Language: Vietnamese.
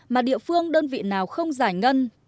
mà địa phương đơn vị nào không giải ngân